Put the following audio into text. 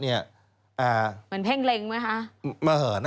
เหมือนเพ่งเล็งไหมคะ